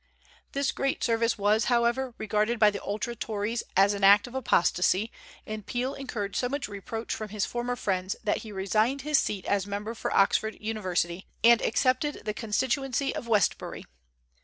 This great service was, however, regarded by the ultra Tories as an act of apostasy, and Peel incurred so much reproach from his former friends that he resigned his seat as member for Oxford University, and accepted the constituency of Westbury.